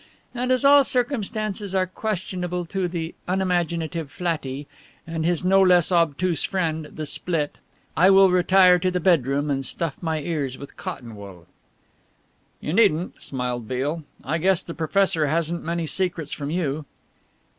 And as all circumstances are questionable to the unimaginative 'flattie,' and his no less obtuse friend the 'split,' I will retire to the bedroom and stuff my ears with cotton wool." "You needn't," smiled Beale, "I guess the professor hasn't many secrets from you."